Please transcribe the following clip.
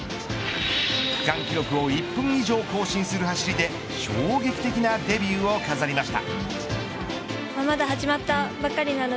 区間記録を１分以上更新する走りで衝撃的なデビューを飾りました。